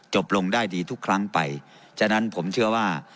จบลงได้ดีทุกครั้งไปฉะนั้นผมเชื่อว่า